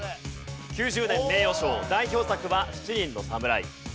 ９０年名誉賞代表作は『七人の侍』。